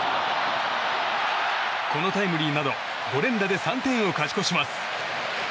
このタイムリーなど５連打で３点を勝ち越します。